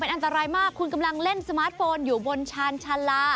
อันตรายมากคุณกำลังเล่นสมาร์ทโฟนอยู่บนชาญชาลา